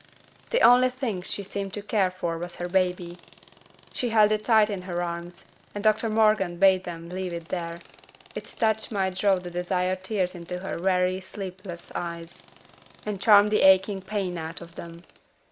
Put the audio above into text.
The only thing she seemed to care for was her baby; she held it tight in her arms, and Dr Morgan bade them leave it there, its touch might draw the desired tears into her weary, sleepless eyes, and charm the aching pain out of them.